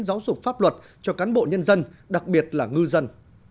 giáo dục pháp luật cho cán bộ nhân dân đặc biệt là ngư dân